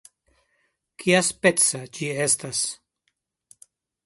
Kiaspeca ĝi estas?